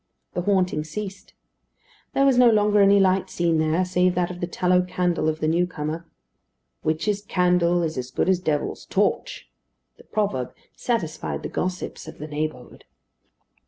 The haunting ceased. There was no longer any light seen there, save that of the tallow candle of the new comer. "Witch's candle is as good as devil's torch." The proverb satisfied the gossips of the neighbourhood.